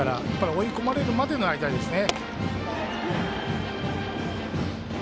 追い込まれるまでの間ですね。